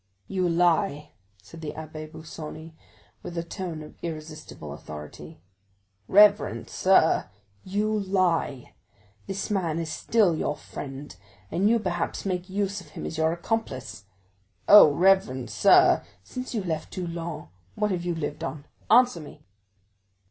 "You lie," said the Abbé Busoni, with a tone of irresistible authority. "Reverend sir!" "You lie! This man is still your friend, and you, perhaps, make use of him as your accomplice." 40160m "Oh, reverend sir!" "Since you left Toulon what have you lived on? Answer me!"